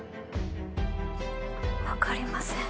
わかりません。